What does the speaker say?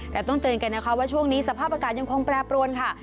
แต่ต้องเตือนกันนะคะว่าช่วงนี้สภาพอากาศยังคงแปรปรวนค่ะ